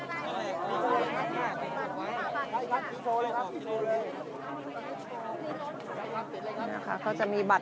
เมื่อเวลาอันดับสุดท้ายเมื่อเวลาอันดับสุดท้าย